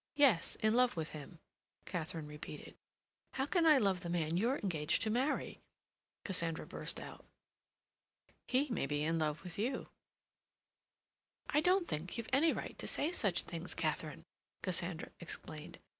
"Yes, in love with him," Katharine repeated. "How can I love the man you're engaged to marry?" Cassandra burst out. "He may be in love with you." "I don't think you've any right to say such things, Katharine," Cassandra exclaimed.